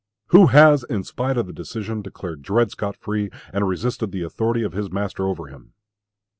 Who has, in spite of the decision, declared Dred Scott free, and resisted the authority of his master over him?